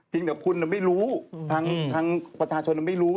จริงแต่คุณน่ะไม่รู้ทางประชาชนน่ะไม่รู้